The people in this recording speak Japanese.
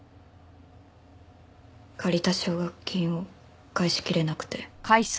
借りた奨学金を返しきれなくて。